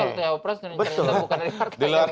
kalau jawa press kan yang carinya bukan dari partai